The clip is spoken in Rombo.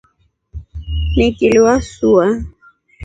Nikili wasua.